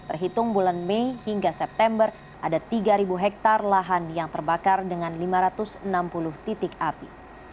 terhitung bulan mei hingga september ada tiga hektare lahan yang terbakar dengan lima ratus enam puluh titik api